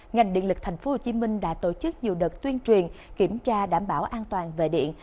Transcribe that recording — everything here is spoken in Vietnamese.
ngành điện lực tp hcm đã tổ chức nhiều đợt tuyên truyền kiểm tra đảm bảo an toàn về điện